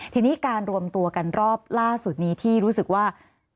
ทีนี้การรวมตัวกันรอบล่าสุดนี้ที่รู้สึกว่า